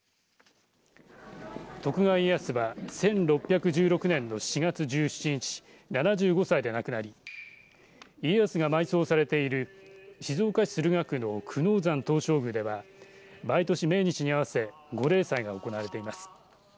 徳川家康は１６１６年の４月１７日７５歳で亡くなり家康が埋葬されている静岡市駿河区の久能山東照宮では毎年、命日に合わせ御例祭が行われています。